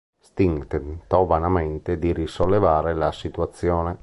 Sting tentò vanamente di risollevare la situazione.